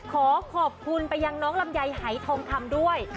ขอขอบคุณไปยังน้องลำไยหายทองคำด้วย